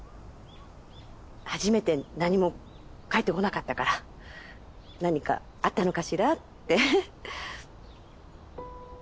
初めて何も返ってこなかったから何かあったのかしらって。